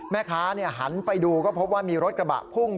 หันไปดูก็พบว่ามีรถกระบะพุ่ง